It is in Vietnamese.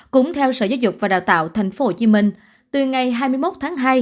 cũng theo sở giáo dục và đào tạo tp hcm từ ngày hai mươi một tháng hai